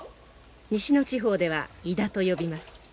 西の地方ではイダと呼びます。